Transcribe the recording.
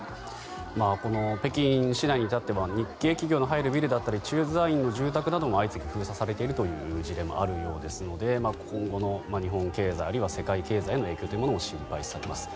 この北京市内に至っては日系企業の入るビルだったり駐在員の自宅なども相次ぎ封鎖されているという事例もあるようですので今後の日本経済あるいは世界経済への影響も心配されます。